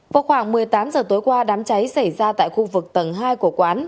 vào khoảng một mươi tám h tối qua đám cháy xảy ra tại khu vực tầng hai của quán